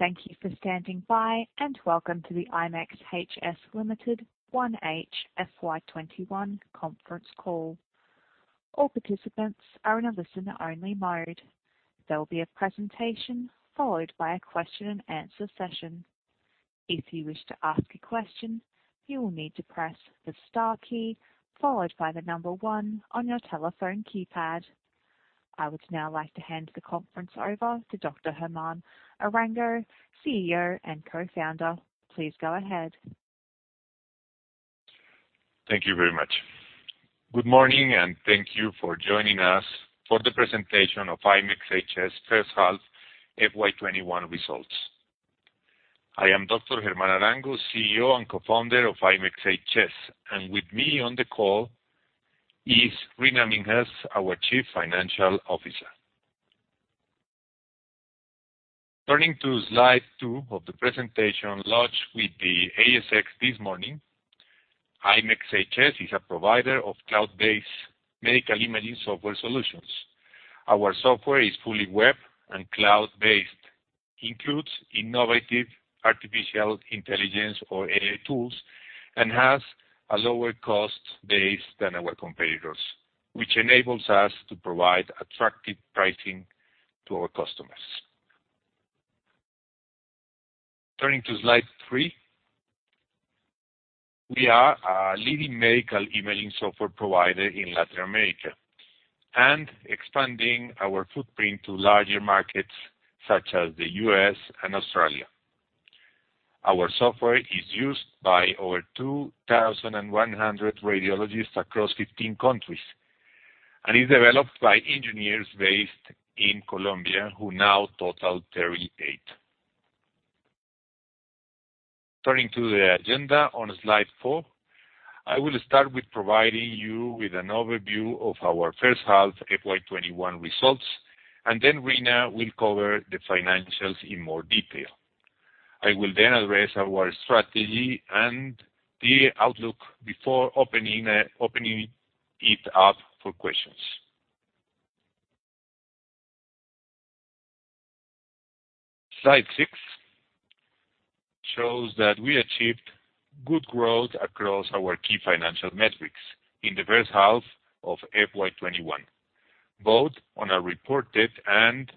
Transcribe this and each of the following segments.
Thank you for standing by, and welcome to the ImExHS Limited 1H FY 2021 conference call. All participants are in a listen-only mode. There will be a presentation followed by a question-and-answer session. If you wish to ask a question, you will need to press the star key followed by number one on your telephone keypad. I would now like to hand the conference over to Dr. Germán Arango, CEO and Co-founder. Please go ahead. Thank you very much. Good morning. Thank you for joining us for the presentation of ImExHS' first half FY 2021 results. I am Dr. Germán Arango, CEO and Co-founder of ImExHS, and with me on the call is Reena Minhas, our Chief Financial Officer. Turning to slide two of the presentation launched with the ASX this morning. ImExHS is a provider of cloud-based medical imaging software solutions. Our software is fully web and cloud-based, includes innovative artificial intelligence or AI tools, and has a lower cost base than our competitors, which enables us to provide attractive pricing to our customers. Turning to slide three. We are a leading medical imaging software provider in Latin America, and expanding our footprint to larger markets such as the U.S. and Australia. Our software is used by over 2,100 radiologists across 15 countries and is developed by engineers based in Colombia, who now total 38. Turning to the agenda on slide four. I will start with providing you with an overview of our first half FY 2021 results, and then Reena will cover the financials in more detail. I will then address our strategy and the outlook before opening it up for questions. Slide six shows that we achieved good growth across our key financial metrics in the first half of FY 2021, both on a reported and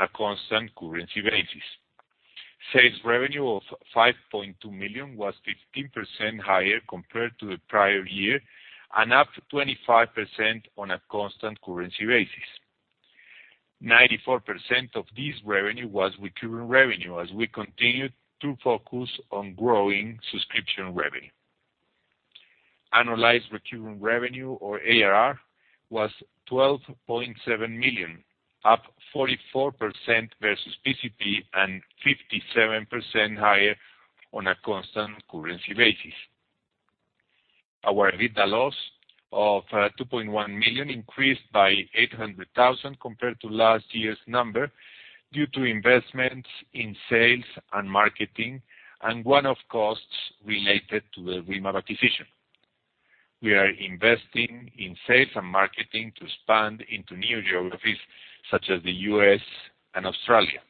a constant currency basis. Sales revenue of 5.2 million was 15% higher compared to the prior year and up 25% on a constant currency basis. 94% of this revenue was recurring revenue as we continued to focus on growing subscription revenue. Annualized Recurring Revenue or ARR was 12.7 million, up 44% versus PCP and 57% higher on a constant currency basis. Our EBITDA loss of 2.1 million increased by 800,000 compared to last year's number due to investments in sales and marketing and one-off costs related to the Rimab acquisition. We are investing in sales and marketing to expand into new geographies such as the U.S. and Australia.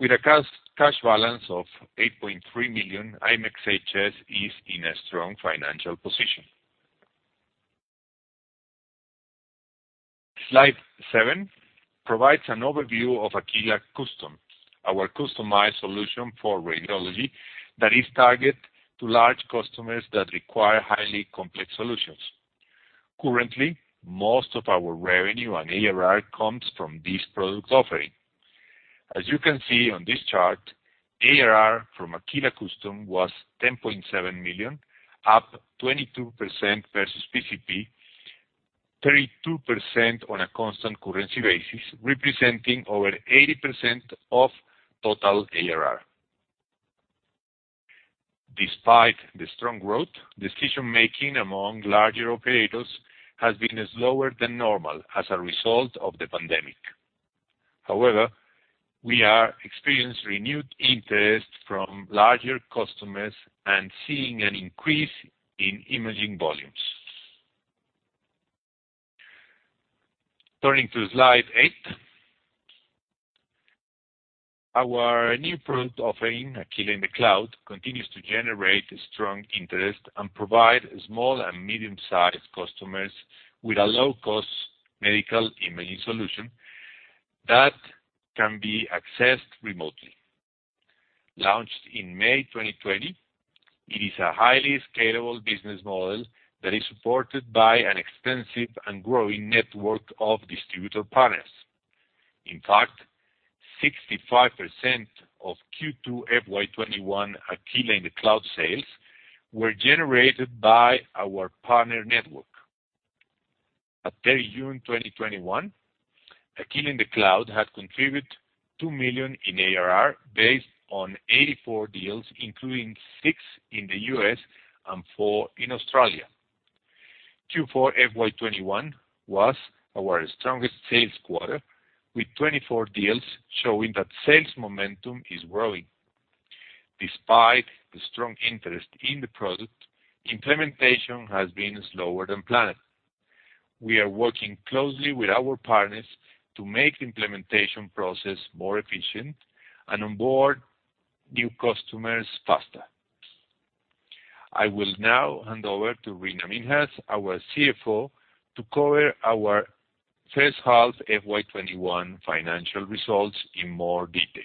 With a cash balance of 8.3 million, ImExHS is in a strong financial position. Slide seven provides an overview of Aquila Custom, our customized solution for radiology that is targeted to large customers that require highly complex solutions. Currently, most of our revenue and ARR comes from this product offering. As you can see on this chart, ARR from Aquila Custom was 10.7 million, up 22% versus PCP, 32% on a constant currency basis, representing over 80% of total ARR. Despite the strong growth, decision-making among larger operators has been slower than normal as a result of the pandemic. However, we are experiencing renewed interest from larger customers and seeing an increase in imaging volumes. Turning to slide eight. Our new product offering, Aquila in the Cloud, continues to generate strong interest and provide small and medium-sized customers with a low-cost medical imaging solution that can be accessed remotely. Launched in May 2020, it is a highly scalable business model that is supported by an extensive and growing network of distributor partners. In fact, 65% of Q2 FY 2021 Aquila in the Cloud sales were generated by our partner network. At 30 June 2021, Aquila in the Cloud had contributed 2 million in ARR based on 84 deals, including six in the U.S. and four in Australia. Q4 FY 2021 was our strongest sales quarter, with 24 deals showing that sales momentum is growing. Despite the strong interest in the product, implementation has been slower than planned. We are working closely with our partners to make the implementation process more efficient and onboard new customers faster. I will now hand over to Reena Minhas, our CFO, to cover our first half FY 2021 financial results in more detail.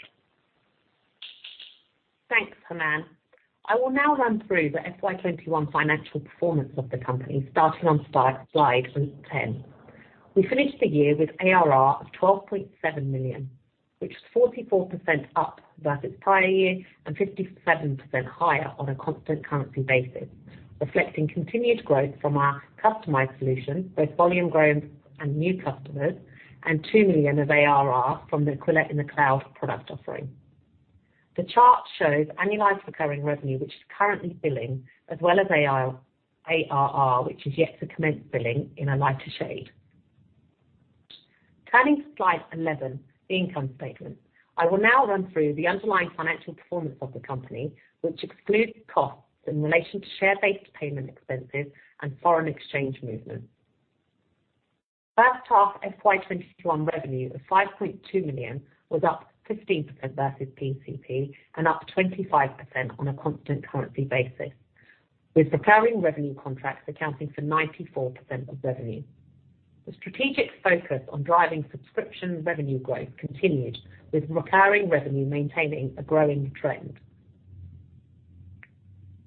Thanks, German. I will now run through the FY 2021 financial performance of the company, starting on slide 20. We finished the year with ARR of 12.7 million, which is 44% up versus prior year and 57% higher on a constant currency basis, reflecting continued growth from our customized solution, both volume growth and new customers, and 2 million of ARR from the Aquila in the Cloud product offering. The chart shows annualized recurring revenue, which is currently billing as well as ARR, which is yet to commence billing in a lighter shade. Turning to slide 11, the income statement. I will now run through the underlying financial performance of the company, which excludes costs in relation to share-based payment expenses and foreign exchange movements. First half FY 2021 revenue of 5.2 million was up 15% versus PCP and up 25% on a constant currency basis, with recurring revenue contracts accounting for 94% of revenue. The strategic focus on driving subscription revenue growth continued, with recurring revenue maintaining a growing trend.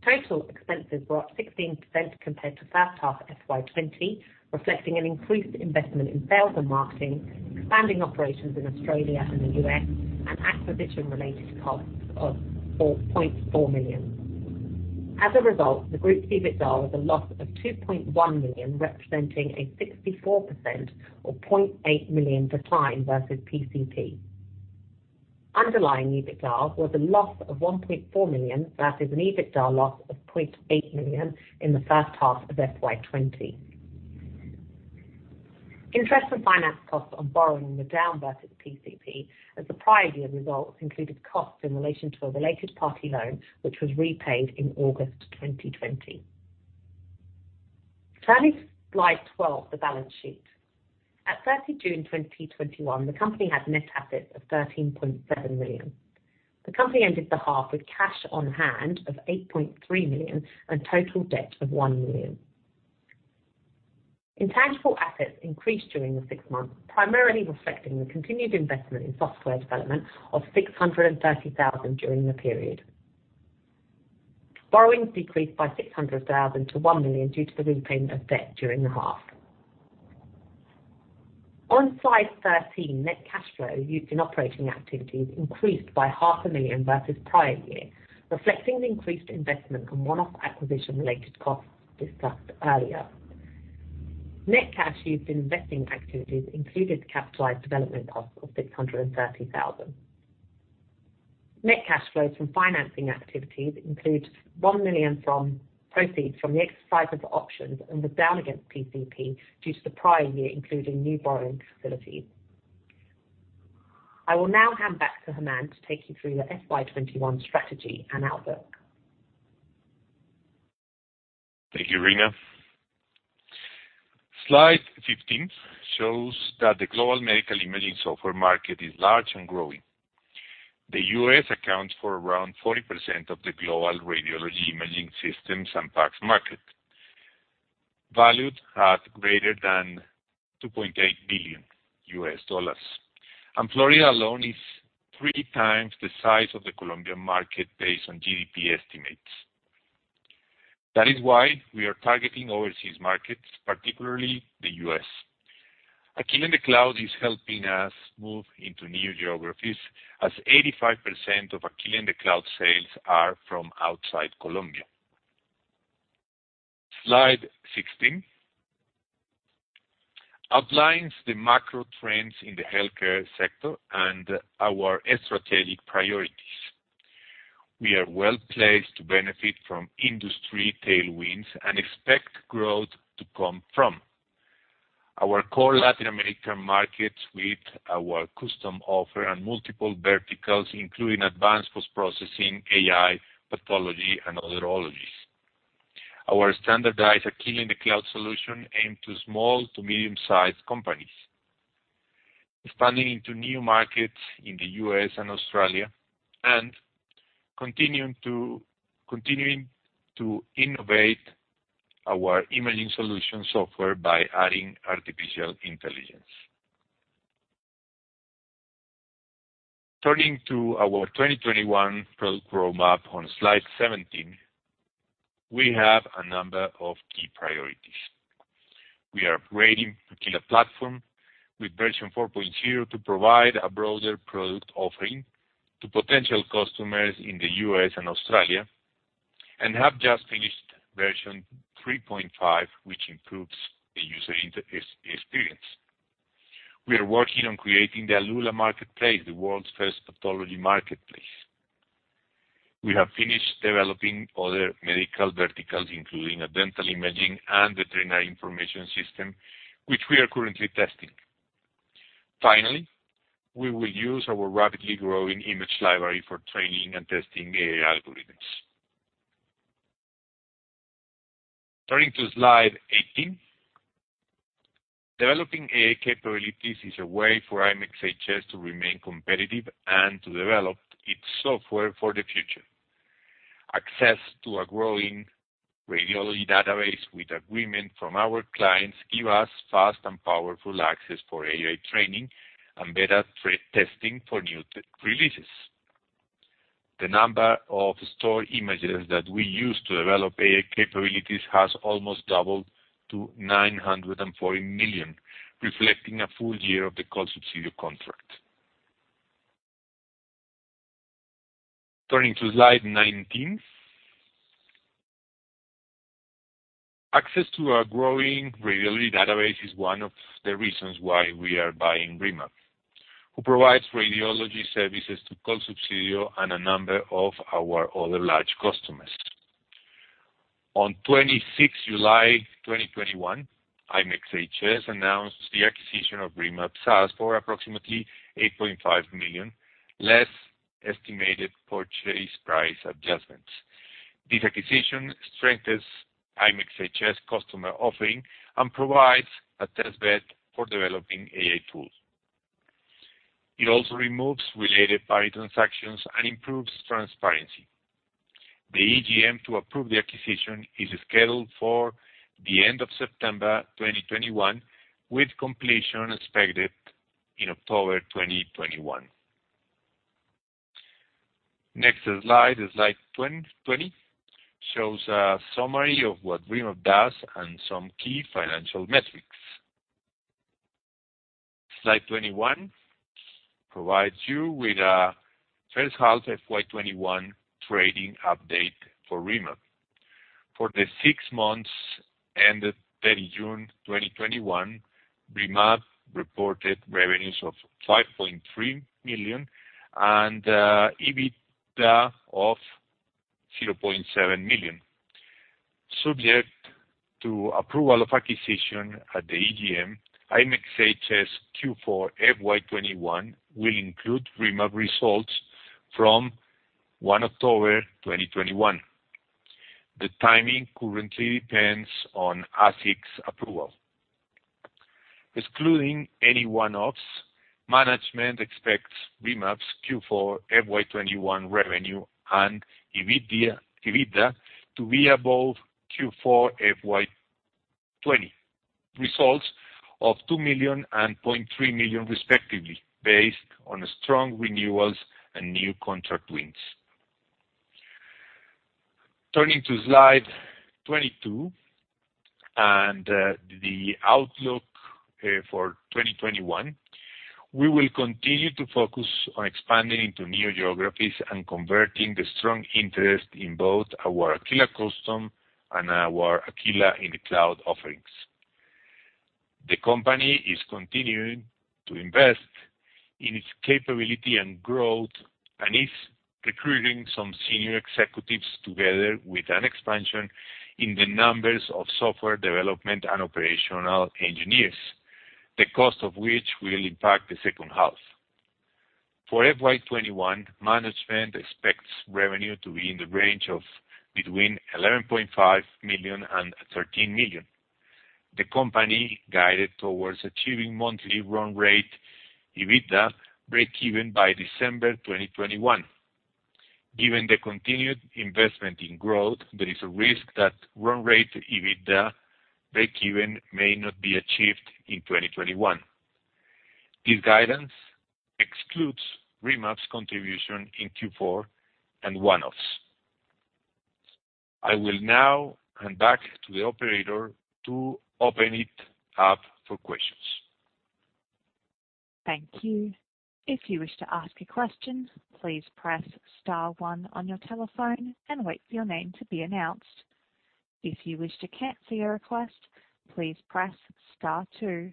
Total expenses were up 16% compared to first half FY 2020, reflecting an increased investment in sales and marketing, expanding operations in Australia and the U.S., and acquisition-related costs of 4.4 million. As a result, the group's EBITDA was a loss of 2.1 million, representing a 64% or 0.8 million decline versus PCP. Underlying EBITDA was a loss of 1.4 million. That is an EBITDA loss of 0.8 million in the first half of FY 2020. Interest and finance costs on borrowing were down versus PCP as the prior year results included costs in relation to a related party loan, which was repaid in August 2020. Turning to slide 12, the balance sheet. At 30 June 2021, the company had net assets of 13.7 million. The company ended the half with cash on hand of 8.3 million and total debt of 1 million. Intangible assets increased during the six months, primarily reflecting the continued investment in software development of 630,000 during the period. Borrowings decreased by 600,000 to 1 million due to the repayment of debt during the half. On slide 13, net cash flow used in operating activities increased by 0.5 Million versus prior year, reflecting the increased investment and one-off acquisition-related costs discussed earlier. Net cash used in investing activities included capitalized development costs of 630,000. Net cash flows from financing activities includes 1 million from proceeds from the exercise of options and was down against PCP due to the prior year, including new borrowing facilities. I will now hand back to Germán to take you through the FY 2021 strategy and outlook. Thank you, Reena. Slide 15 shows that the global medical imaging software market is large and growing. The U.S. accounts for around 40% of the global radiology imaging systems and PACS market, valued at greater than $2.8 billion. Florida alone is three times the size of the Colombian market based on GDP estimates. That is why we are targeting overseas markets, particularly the U.S. Aquila in the Cloud is helping us move into new geographies as 85% of Aquila in the Cloud sales are from outside Colombia. Slide 16 outlines the macro trends in the healthcare sector and our strategic priorities. We are well-placed to benefit from industry tailwinds and expect growth to come from our core Latin American markets with our custom offer and multiple verticals, including advanced post-processing, AI, pathology, and other ologies. Our standardized Aquila in the Cloud solution aimed to small to medium-sized companies, expanding into new markets in the U.S. and Australia, and continuing to innovate our imaging solution software by adding artificial intelligence. Turning to our 2021 product roadmap on slide 17, we have a number of key priorities. We are upgrading Aquila platform with version 4.0 to provide a broader product offering to potential customers in the U.S. and Australia and have just finished version 3.5, which improves the user experience. We are working on creating the Alula Marketplace, the world's first pathology marketplace. We have finished developing other medical verticals, including a dental imaging and veterinary information system, which we are currently testing. Finally, we will use our rapidly growing image library for training and testing AI algorithms. Turning to slide 18. Developing AI capabilities is a way for ImExHS to remain competitive and to develop its software for the future. Access to a growing radiology database with agreement from our clients gives us fast and powerful access for AI training and beta testing for new releases. The number of stored images that we use to develop AI capabilities has almost doubled to 940 million, reflecting a full year of the Colsubsidio contract. Turning to slide 19. Access to our growing radiology database is one of the reasons why we are buying Rimab, who provides radiology services to Colsubsidio and a number of our other large customers. On 26 July 2021, ImExHS announced the acquisition of Rimab SAS for approximately 8.5 million, less estimated purchase price adjustments. This acquisition strengthens ImExHS customer offering and provides a test bed for developing AI tools. It also removes related party transactions and improves transparency. The EGM to approve the acquisition is scheduled for the end of September 2021, with completion expected in October 2021. Next slide is slide 20. It shows a summary of what Rimab does and some key financial metrics. Slide 21 provides you with a first half FY 2021 trading update for Rimab. For the six months ended 30 June 2021, Rimab reported revenues of COP 5.3 million and EBITDA of COP 0.7 million. Subject to approval of acquisition at the EGM, ImExHS Q4 FY 2021 will include Rimab results from 1 October 2021. The timing currently depends on ASIC's approval. Excluding any one-offs, management expects Rimab's Q4 FY 2021 revenue and EBITDA to be above Q4 FY 2020 results of COP 2 million and COP 0.3 million respectively, based on strong renewals and new contract wins. Turning to slide 22 and the outlook for 2021. We will continue to focus on expanding into new geographies and converting the strong interest in both our Aquila Custom and our Aquila in the Cloud offerings. The company is continuing to invest in its capability and growth and is recruiting some senior executives together with an expansion in the numbers of software development and operational engineers, the cost of which will impact the second half. For FY 2021, management expects revenue to be in the range of between 11.5 million and 13 million. The company guided towards achieving monthly run rate EBITDA breakeven by December 2021. Given the continued investment in growth, there is a risk that run rate EBITDA breakeven may not be achieved in 2021. This guidance excludes Rimab's contribution in Q4 and one-offs. I will now hand back to the Operator to open it up for questions. Thank you. If you wish to ask a question, please press star one on your telephone and wait for your name to be announced. If you wish to cancel your request, please press star two.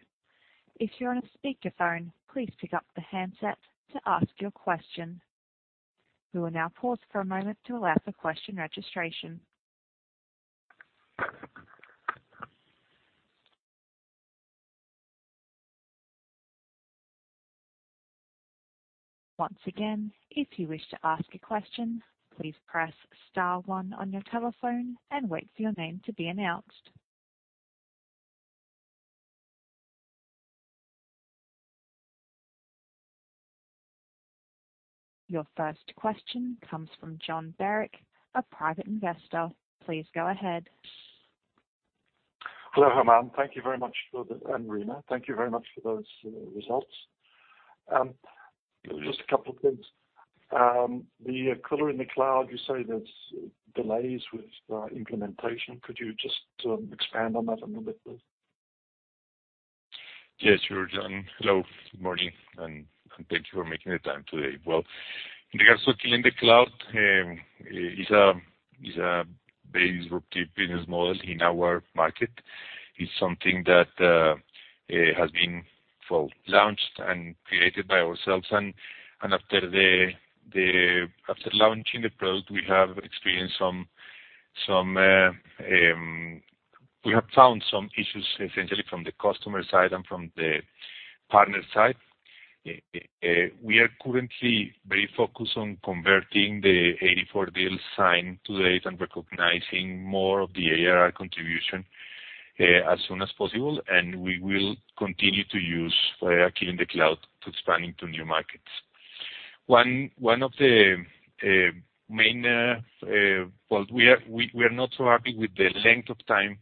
If you're on a speakerphone, please pick up the handset to ask your question. We will now pause for a moment to allow for question registration. Once again, if you wish to ask a question, please press star one on your telephone and wait for your name to be announced. Your first question comes from John Barrick, a private investor. Please go ahead. Hello, Germán. Thank you very much for that, and Reena, thank you very much for those results. Just a couple of things. The Aquila in the Cloud, you say there's delays with implementation. Could you just expand on that a little bit, please? Yes, sure, John. Hello. Good morning, and thank you for making the time today. Well, in regards to Aquila in the Cloud, it's a very disruptive business model in our market. It's something that has been fully launched and created by ourselves. After launching the product, we have found some issues essentially from the customer side and from the partner side. We are currently very focused on converting the 84 deals signed to date and recognizing more of the ARR contribution as soon as possible. We will continue to use Aquila in the Cloud to expand into new markets. One of the main, well, we are not so happy with the length of time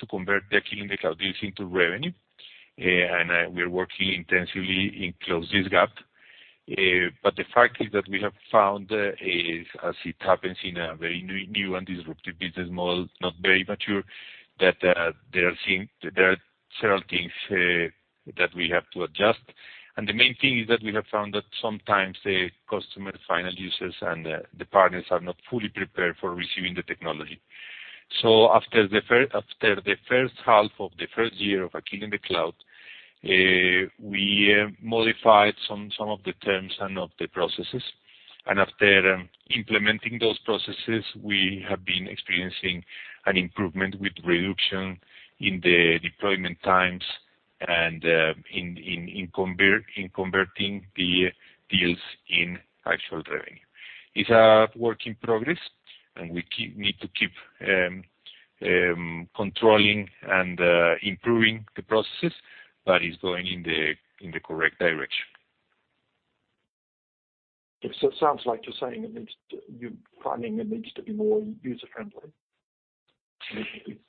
to convert the Aquila in the Cloud deals into revenue. We're working intensively in close this gap. The fact is that we have found is, as it happens in a very new and disruptive business model, it's not very mature, that there are several things that we have to adjust. The main thing is that we have found that sometimes the customer final users and the partners are not fully prepared for receiving the technology. After the first half of the first year of Aquila in the Cloud, we modified some of the terms and of the processes. After implementing those processes, we have been experiencing an improvement with reduction in the deployment times and in converting the deals in actual revenue. It's a work in progress, and we need to keep controlling and improving the processes, but it's going in the correct direction. It sounds like you're saying you're finding it needs to be more user-friendly.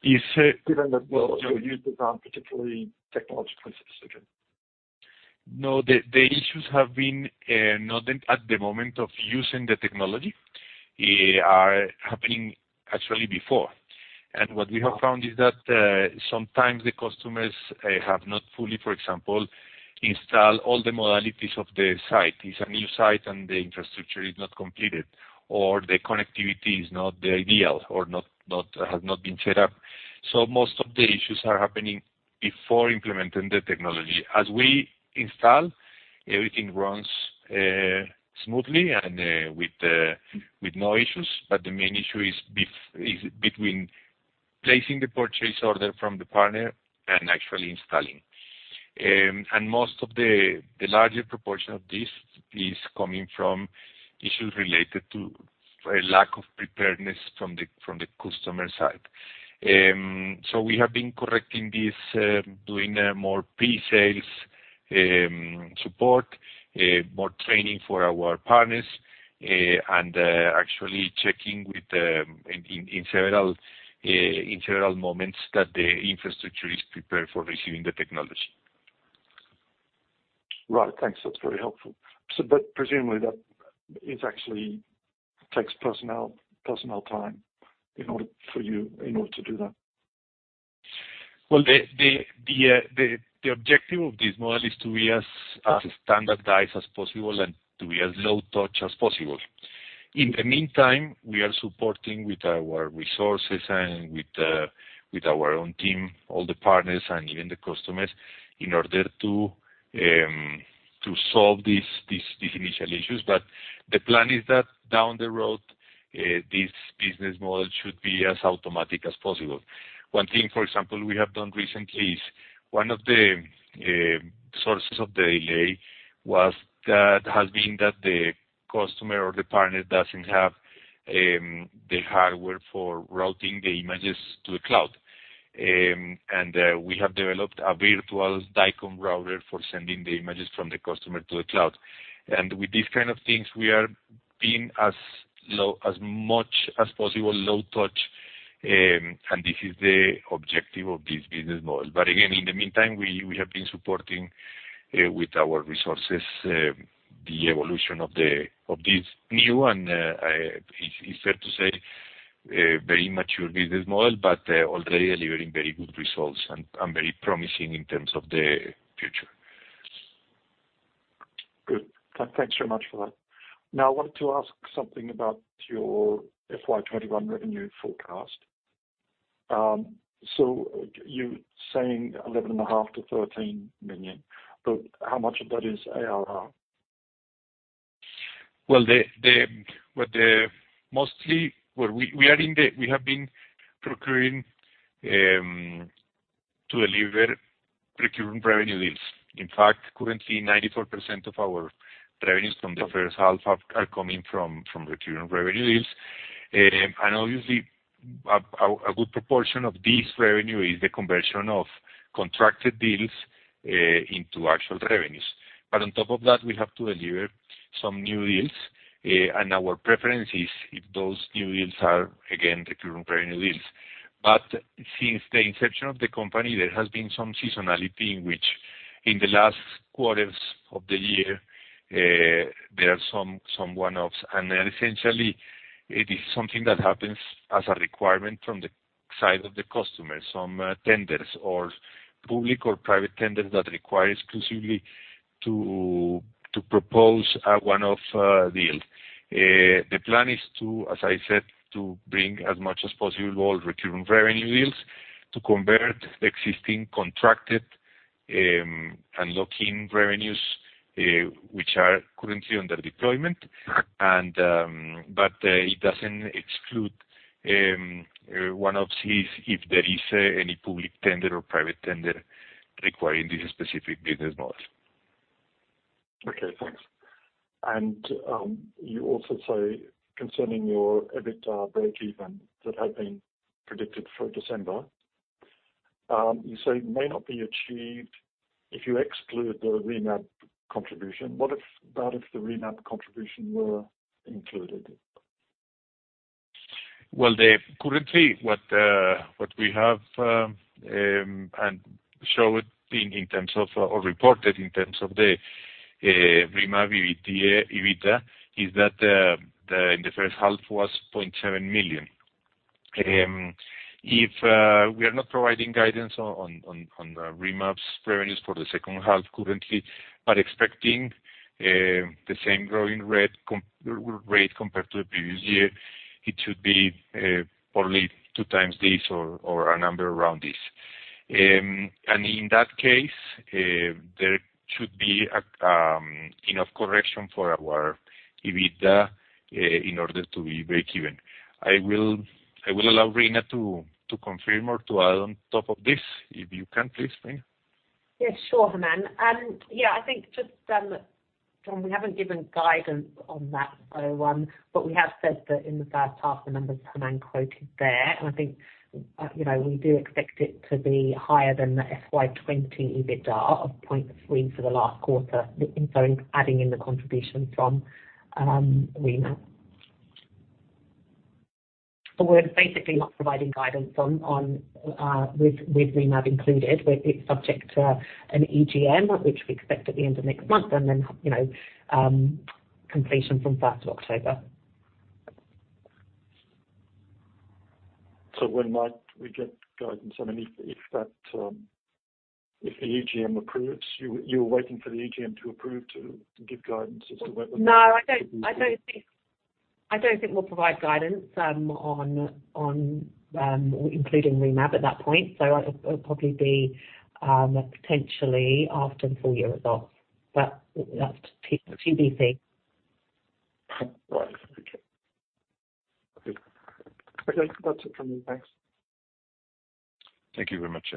Is it- Given that your users aren't particularly technologically sophisticated. No, the issues have been, not at the moment of using the technology, are happening actually before. What we have found is that sometimes the customers have not fully, for example, installed all the modalities of the site. It's a new site, and the infrastructure is not completed, or the connectivity is not ideal or has not been set up. Most of the issues are happening before implementing the technology. As we install, everything runs smoothly and with no issues. The main issue is between placing the purchase order from the partner and actually installing. Most of the larger proportion of this is coming from issues related to a lack of preparedness from the customer side. We have been correcting this, doing more pre-sales support, more training for our partners, and actually checking in several moments that the infrastructure is prepared for receiving the technology. Right. Thanks. That's very helpful. Presumably that it actually takes personnel time in order to do that. Well, the objective of this model is to be as standardized as possible and to be as low touch as possible. In the meantime, we are supporting with our resources and with our own team, all the partners and even the customers in order to solve these initial issues. The plan is that down the road, this business model should be as automatic as possible. One thing, for example, we have done recently is one of the sources of the delay has been that the customer or the partner doesn't have the hardware for routing the images to the cloud. We have developed a virtual DICOM router for sending the images from the customer to the cloud. With these kind of things, we are being as much as possible low touch, and this is the objective of this business model. Again, in the meantime, we have been supporting with our resources, the evolution of this new and, it's fair to say, very mature business model, but already delivering very good results and very promising in terms of the future. Good. Thanks very much for that. I wanted to ask something about your FY 2021 revenue forecast. You're saying 11.5 million-13 million, but how much of that is ARR? Mostly, we have been procuring to deliver recurring revenue deals. In fact, currently, 94% of our revenues from the first half are coming from recurring revenue deals. Obviously, a good proportion of this revenue is the conversion of contracted deals into actual revenues. On top of that, we have to deliver some new deals, and our preference is if those new deals are, again, recurring revenue deals. Since the inception of the company, there has been some seasonality in which in the last quarters of the year, there are some one-offs, and essentially, it is something that happens as a requirement from the side of the customer, some tenders or public or private tenders that require exclusively to propose a one-off deal. The plan is to, as I said, to bring as much as possible all recurring revenue deals, to convert existing contracted and lock-in revenues which are currently under deployment. It doesn't exclude one of these if there is any public tender or private tender requiring this specific business model. Okay, thanks. You also say, concerning your EBITDA breakeven that had been predicted for December, you say may not be achieved if you exclude the Rimab contribution. What about if the Rimab contribution were included? Well, currently, what we have and showed or reported in terms of the Rimab EBITDA is that in the first half was COP 0.7 million. We are not providing guidance on the Rimab's revenues for the second half currently, but expecting the same growing rate compared to the previous year. It should be probably two times this or a number around this. In that case, there should be enough correction for our EBITDA in order to be breakeven. I will allow Reena to confirm or to add on top of this, if you can please, Reena. Yes, sure, Germán. Yeah, I think just, John, we haven't given guidance on that, but we have said that in the first half, the numbers Germán quoted there. I think we do expect it to be higher than the FY 2020 EBITDA of 0.3 for the last quarter, adding in the contribution from Rimab. We're basically not providing guidance with Rimab included. It's subject to an EGM, which we expect at the end of next month, and then completion from 1st of October. When might we get guidance? If the EGM approves, you're waiting for the EGM to approve to give guidance. No, I don't think we'll provide guidance on including Rimab at that point, so it'll probably be potentially after full year results. That's TBD. Right. Okay. Okay. That's it from me. Thanks. Thank you very much.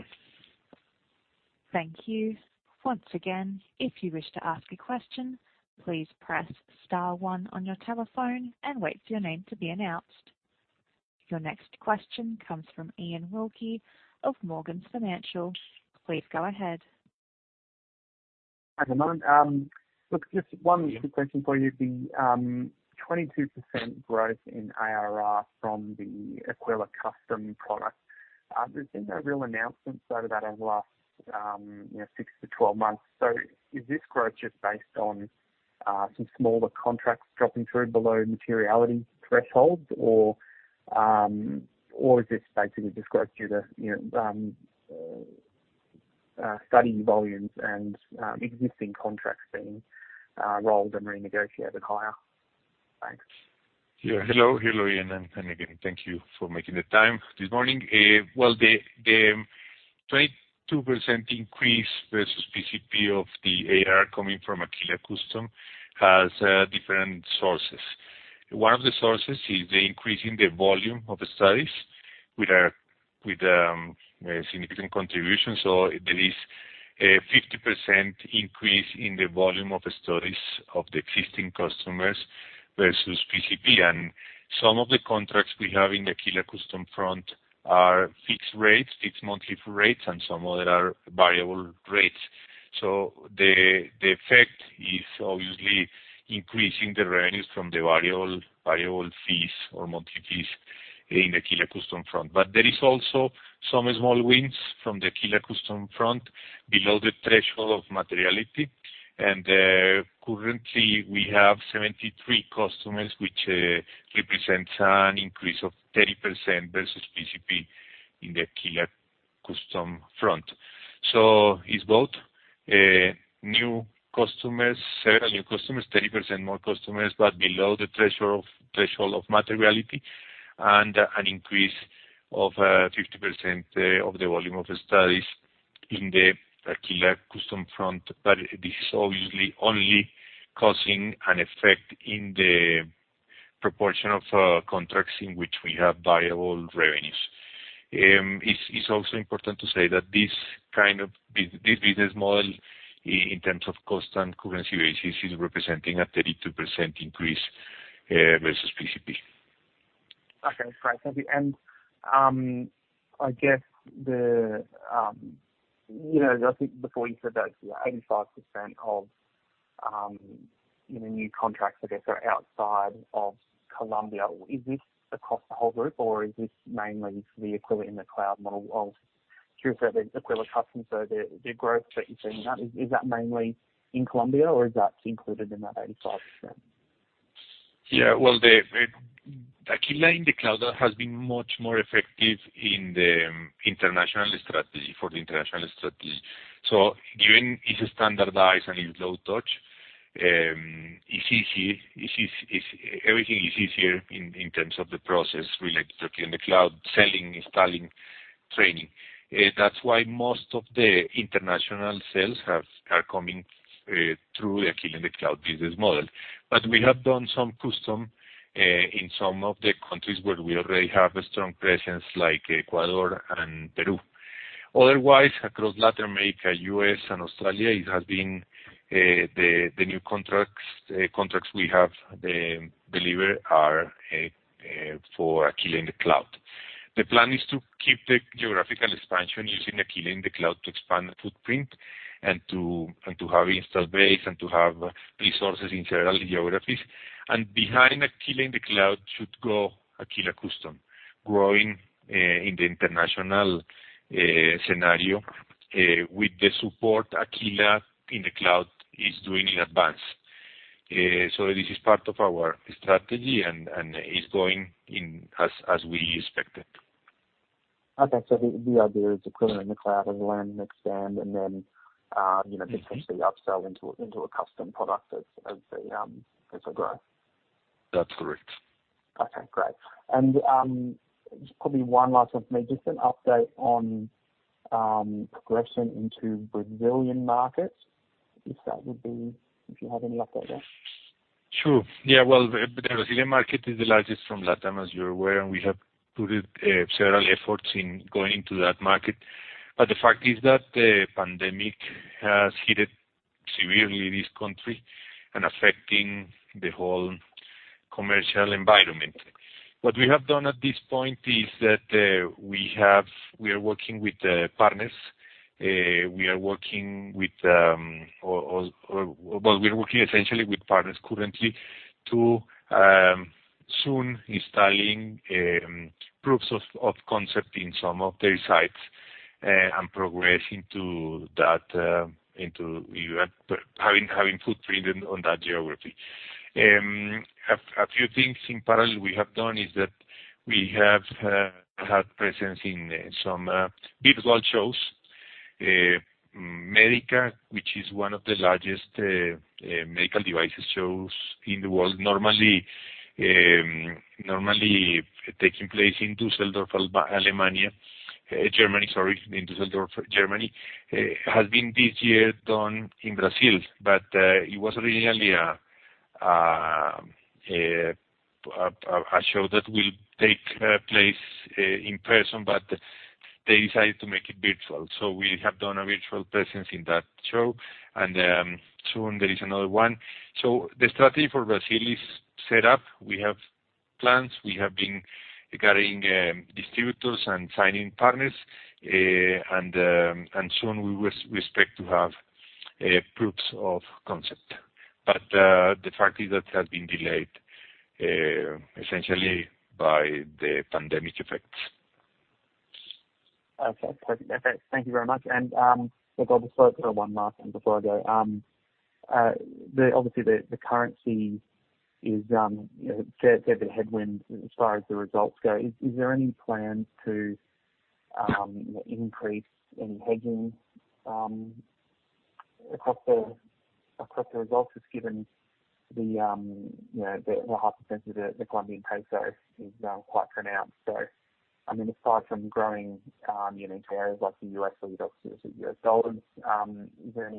Thank you. Once again, if you wish to ask a question, please press star one on your telephone and wait for your name to be announced. Your next question comes from Ian Wilkie of Morgans Financial. Please go ahead. Hi, Germán. Look, just one quick question for you. The 22% growth in ARR from the Aquila Custom product, there's been no real announcement about that over the last 6 months-12 months. Is this growth just based on some smaller contracts dropping through below materiality thresholds? Or is this basically just growth due to study volumes and existing contracts being rolled and renegotiated higher? Thanks. Hello, Ian. Again, thank you for making the time this morning. The 22% increase versus PCP of the ARR coming from Aquila Custom has different sources. One of the sources is the increase in the volume of studies with a significant contribution. There is a 50% increase in the volume of studies of the existing customers versus PCP. Some of the contracts we have in Aquila Custom front are fixed rates, fixed monthly rates, and some other are variable rates. The effect is obviously increasing the revenues from the variable fees or monthly fees in the Aquila Custom front. There is also some small wins from the Aquila Custom front below the threshold of materiality. Currently, we have 73 customers, which represents an increase of 30% versus PCP in the Aquila Custom front. It's both new customers, several new customers, 30% more customers, below the threshold of materiality and an increase of 50% of the volume of studies in the Aquila Custom front. This is obviously only causing an effect in the proportion of contracts in which we have variable revenues. It's also important to say that this business model, in terms of cost and currency ratios, is representing a 32% increase versus PCP. Okay, great. Thank you. I think before you said that 85% of new contracts, I guess, are outside of Colombia. Is this across the whole group, or is this mainly for the Aquila in the Cloud model of through Aquila Custom? The growth that you're seeing now, is that mainly in Colombia or is that included in that 85%? Yeah. Well, the Aquila in the Cloud has been much more effective for the international strategy. Given it's standardized and it's low touch. Everything is easier in terms of the process related to Aquila in the Cloud, selling, installing, training. That's why most of the international sales are coming through Aquila in the Cloud business model. We have done some custom in some of the countries where we already have a strong presence, like Ecuador and Peru. Otherwise, across Latin America, U.S. and Australia, the new contracts we have delivered are for Aquila in the Cloud. The plan is to keep the geographical expansion using Aquila in the Cloud to expand the footprint and to have install base and to have resources in general geographies. Behind Aquila in the Cloud should go Aquila custom, growing in the international scenario, with the support Aquila in the Cloud is doing in advance. This is part of our strategy and is going as we expected. Okay. The idea is Aquila in the Cloud as a land and expand potentially upsell into a custom product as a growth. That's correct. Okay, great. Just probably one last one from me. Just an update on progression into Brazilian markets, if you have any update there. Sure. Yeah, well, the Brazilian market is the largest from LATAM, as you are aware, and we have put several efforts in going into that market. The fact is that the pandemic has hit severely this country and affecting the whole commercial environment. What we have done at this point is that we are working with partners. Well, we're working essentially with partners currently to soon installing proofs of concept in some of their sites, and progress into having footprint on that geography. A few things in parallel we have done is that we have had presence in some virtual shows. MEDICA, which is one of the largest medical devices shows in the world, normally taking place in Düsseldorf Germany, sorry. In Düsseldorf, Germany, has been this year done in Brazil, but it was originally a show that will take place in person, but they decided to make it virtual. We have done a virtual presence in that show. Soon there is another one. The strategy for Brazil is set up. We have plans. We have been getting distributors and signing partners. Soon we expect to have proofs of concept. The fact is that has been delayed, essentially by the pandemic effects. Okay. Perfect. Thank you very much. Look, I'll just throw one last one before I go. Obviously the currency is, fair to say, a bit of headwind as far as the results go. Is there any plan to increase any hedging across the results, just given the hypersensitivity of the Colombian peso is quite pronounced? Aside from growing unit areas like the U.S. where you're exposed to U.S. dollars, is there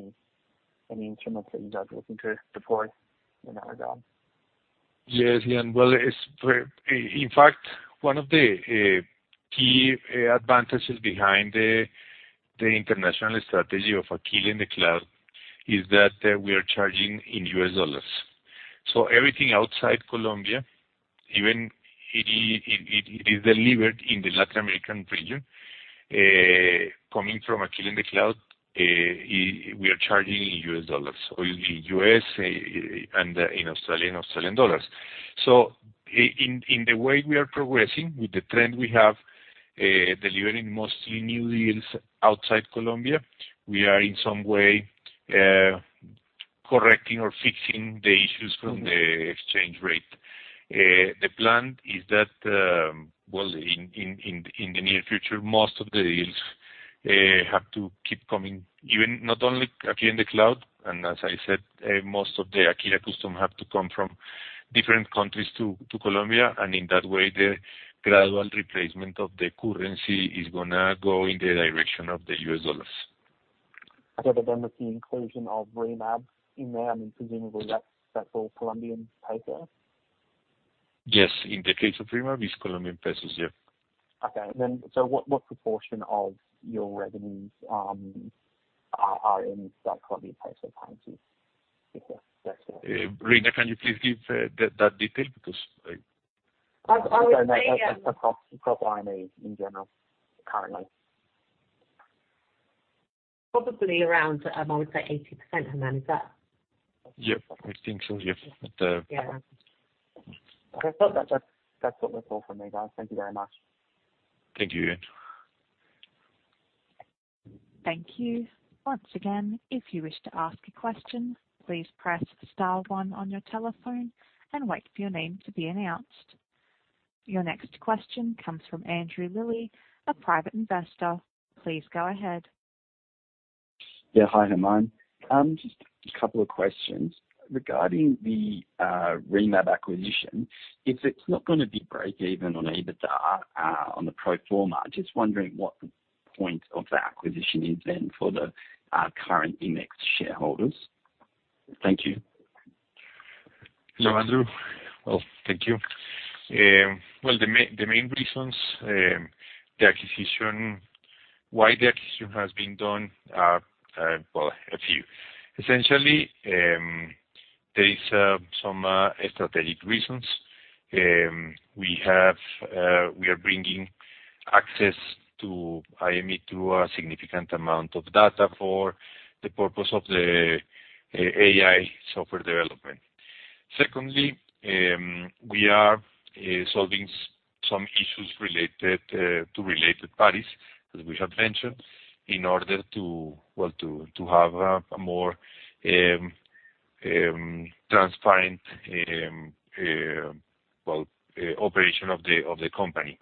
any instruments that you guys are looking to deploy in that regard? Yes, Ian. In fact, one of the key advantages behind the international strategy of Aquila in the Cloud is that we are charging in US dollars. Everything outside Colombia, even if it is delivered in the Latin American region, coming from Aquila in the Cloud, we are charging in US dollars. In the U.S. and in Australian dollars. In the way we are progressing with the trend we have, delivering mostly new deals outside Colombia, we are in some way correcting or fixing the issues from the exchange rate. The plan is that, in the near future, most of the deals have to keep coming, even not only Aquila in the Cloud, and as I said, most of the Aquila custom have to come from different countries to Colombia. In that way, the gradual replacement of the currency is going to go in the direction of the US dollars. Okay. With the inclusion of Rimab in there, presumably that's all Colombian peso? Yes. In the case of Rimab, it's Colombian pesos. Yeah. What proportion of your revenues are in Colombian peso terms? Reena, can you please give that detail? I would say- Across ImExHS in general, currently. Probably around, I want to say 80%, Germán. Is that? Yep. I think so, yep. Yeah. Okay, cool. That's all for me, guys. Thank you very much. Thank you, Ian. Thank you. Once again, if you wish to ask a question, please press star one on your telephone and wait for your name to be announced. Your next question comes from Andrew Lilley, a private investor. Please go ahead. Yeah. Hi, Germán. Just a couple of questions regarding the Rimab acquisition. If it's not going to be break even on EBITDA, on the pro forma, just wondering what the point of the acquisition is then for the current ImExHS shareholders. Thank you. Andrew. Well, thank you. Well, the main reasons why the acquisition has been done are, well, a few. Essentially, there are some strategic reasons. We are bringing access to ImExHS, a significant amount of data for the purpose of the AI software development. Secondly, we are solving some issues related to related parties, as we have mentioned, in order to have a more transparent operation of the company.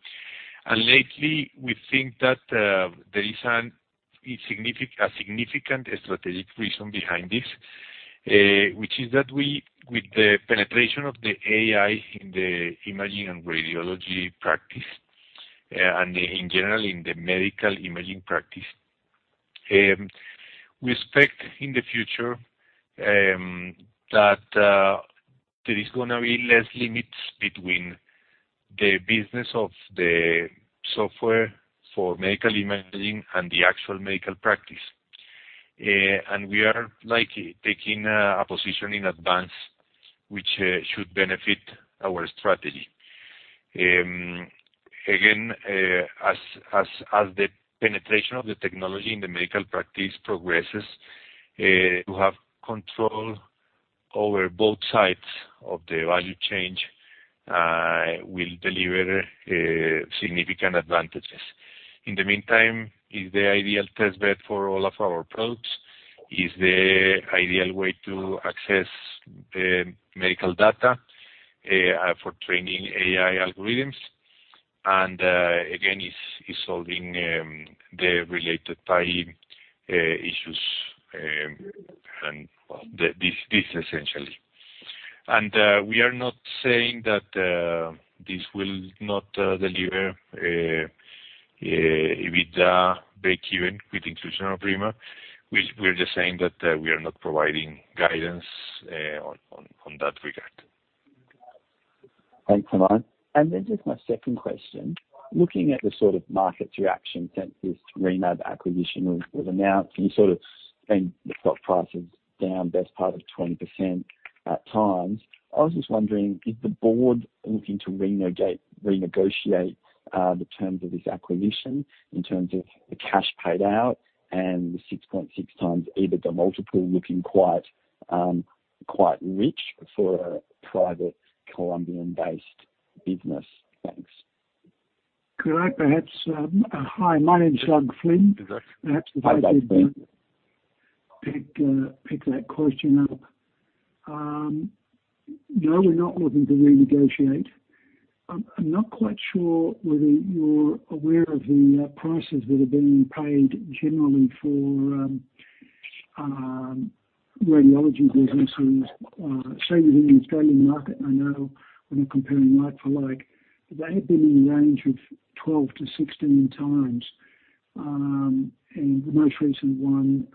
Lately, we think that there is a significant strategic reason behind this, which is that with the penetration of the AI in the imaging and radiology practice, and in general in the medical imaging practice, we expect in the future that there is going to be less limits between the business of the software for medical imaging and the actual medical practice. We are taking a position in advance, which should benefit our strategy. Again, as the penetration of the technology in the medical practice progresses, to have control over both sides of the value chain will deliver significant advantages. In the meantime, is the ideal test bed for all of our probes, is the ideal way to access medical data for training AI algorithms, and again, is solving the related party issues, essentially. We are not saying that this will not deliver EBITDA breakeven with inclusion of Rimab. We're just saying that we are not providing guidance on that regard. Thanks, Germán. Just my second question, looking at the sort of market's reaction since this Rimab acquisition was announced, and you sort of explained the stock price is down best part of 20% at times. I was just wondering, is the board looking to renegotiate the terms of this acquisition in terms of the cash paid out and the 6.6 times EBITDA multiple looking quite rich for a private Colombian-based business. Thanks. Hi, my name's Douglas Flynn. Hi, Douglas Flynn. Perhaps if I could pick that question up. No, we're not looking to renegotiate. I'm not quite sure whether you're aware of the prices that are being paid generally for radiology businesses. Certainly in the Australian market, I know we're not comparing like for like, but they have been in the range of 12 times-16 times. The most recent one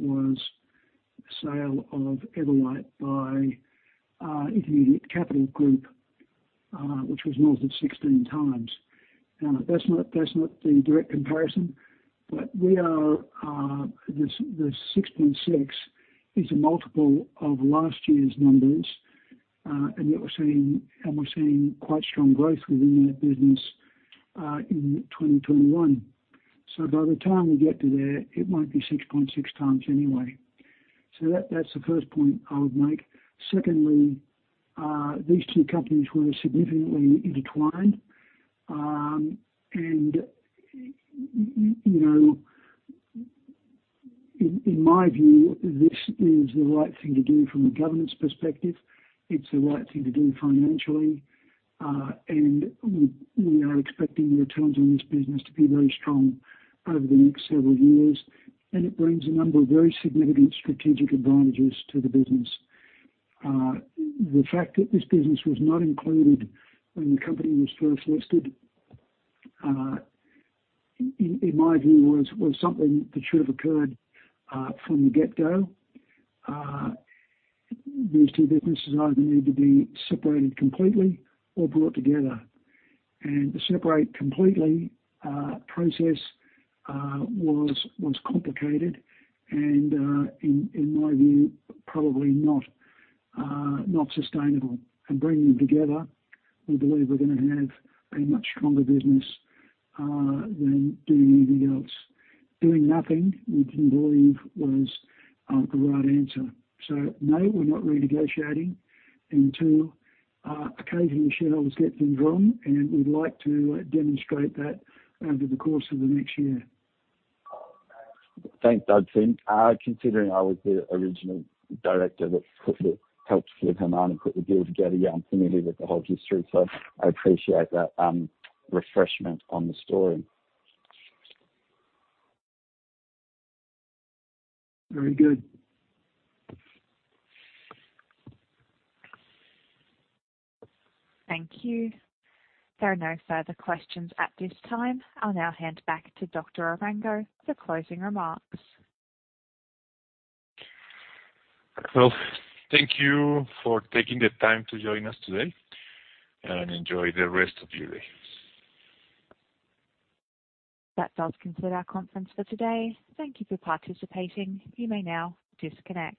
was the sale of Everlight by Intermediate Capital Group, which was north of 16 times. That's not the direct comparison, but the 6.6 is a multiple of last year's numbers, and we're seeing quite strong growth within that business, in 2021. So by the time we get to there, it won't be 6.6 times anyway. That's the first point I would make. Secondly, these two companies were significantly intertwined. In my view, this is the right thing to do from a governance perspective. It's the right thing to do financially. We are expecting returns on this business to be very strong over the next several years, and it brings a number of very significant strategic advantages to the business. The fact that this business was not included when the company was first listed, in my view, was something that should have occurred from the get-go. These two businesses either need to be separated completely or brought together. To separate completely, process was complicated and, in my view, probably not sustainable. Bringing them together, we believe we're going to have a much stronger business than doing anything else. Doing nothing we didn't believe was the right answer. No, we're not renegotiating. Two, occasionally shareholders get things wrong, and we'd like to demonstrate that over the course of the next year. Thanks, Douglas Flynn. Considering I was the original director that helped Germán put the deal together, yeah, I am familiar with the whole history, so I appreciate that refreshment on the story. Very good. Thank you. There are no further questions at this time. I'll now hand back to Dr. Arango for closing remarks. Well, thank you for taking the time to join us today, and enjoy the rest of your day. That does conclude our conference for today. Thank you for participating. You may now disconnect.